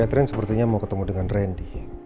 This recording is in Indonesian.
catherine sepertinya mau ketemu dengan randy